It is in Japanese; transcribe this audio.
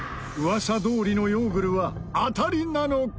噂どおりのヨーグルは当たりなのか？